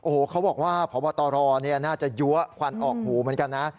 โอ้โหเขาบอกว่าพบตรน่าจะยั้วควันออกหูเหมือนกันนะ